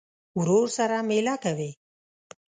ورور سره مېله کوې.